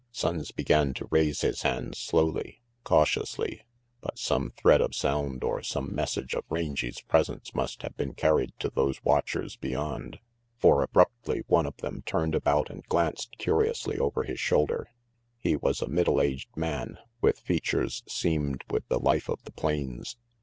Sonnes began to raise his hands slowly, cautiously, but some thread of sound or some message of Rangy's presence must have been carried to those watchers beyond. For abruptly one of them turned about and glanced curiously over his shoulder. He was a middle aged man, with features seamed with the life of the plains.